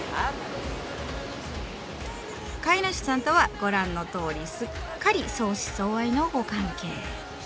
飼い主さんとはご覧のとおりすっかり相思相愛のご関係。